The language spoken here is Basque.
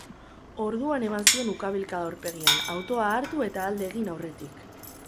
Orduan eman zion ukabilkada aurpegian, autoa hartu eta alde egin aurretik.